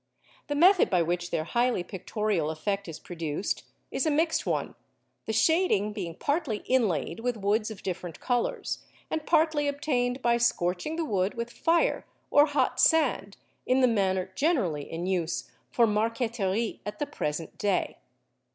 The method by which their highly pictorial effect is produced is a mixed one, the shading being partly inlaid with woods of different colours, and partly obtained by scorching the wood with fire or hot sand in the manner generally in use for marqueterie at the present day.